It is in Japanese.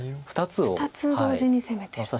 ２つ同時に攻めてる。